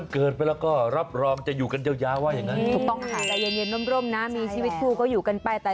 เกิดวันนี้๒๐เมษายน๒๕๑๘นะคะ